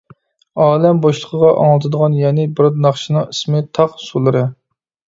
ئالەم بوشلۇقىغا ئاڭلىتىدىغان يەنى بىر ناخشىنىڭ ئىسمى «تاغ سۇلىرى» .